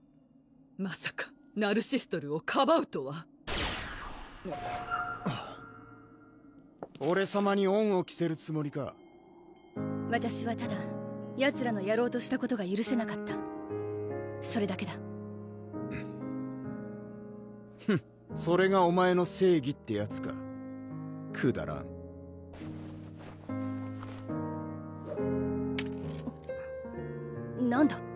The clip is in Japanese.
まさかナルシストルーをかばうとはオレさまに恩を着せるつもりかわたしはただヤツらのやろうとしたことがゆるせなかったそれだけだフンそれがお前の正義ってやつかくだらん何だ？